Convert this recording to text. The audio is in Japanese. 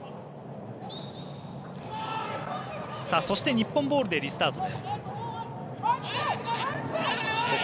日本ボールでリスタート。